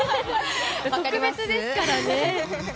特別ですからね。